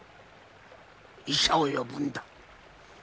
医者を呼ぶんだ！